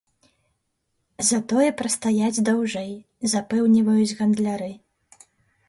Затое прастаяць даўжэй, запэўніваюць гандляры.